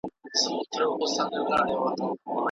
قصدًا بي اودسه لمونځ کول فسق او هغه جائز بلل کفر دی.